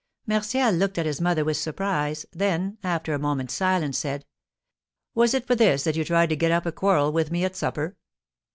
Martial looked at his mother with surprise, then, after a moment's silence, said, "Was it for this that you tried to get up a quarrel with me at supper?"